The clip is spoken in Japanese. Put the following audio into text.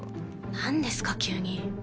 何ですか急に。